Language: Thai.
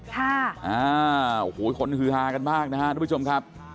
ค่ะอ่าโอ้โหคนฮือฮากันมากนะฮะทุกผู้ชมครับ